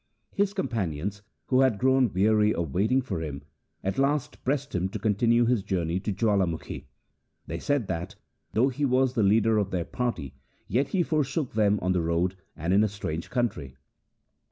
His companions, who had grown weary of waiting for him, at last pressed him to continue his journey to J awalamukhi. They said that, though he was the leader of their party, yet he forsook them on the road and in a strange country.